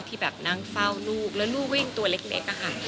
ที่แบบนั่งเฝ้าลูกแล้วลูกวิ่งตัวเล็กอะค่ะ